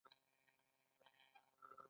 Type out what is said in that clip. سوداګر چې کومه ګټه په لاس راوړي